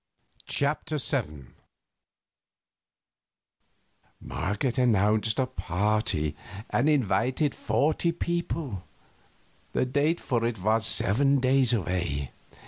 CHAPTER VII Marget announced a party, and invited forty people; the date for it was seven days away.